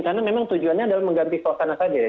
karena memang tujuannya adalah mengganti suasana saja ya